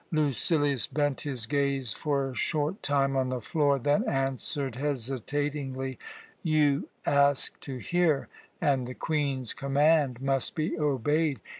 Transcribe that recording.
Lucilius bent his gaze for a short time on the floor, then answered hesitatingly: "You asked to hear, and the Queen's command must be obeyed.